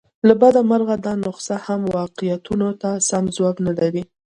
له بده مرغه دا نسخه هم واقعیتونو ته سم ځواب نه لري.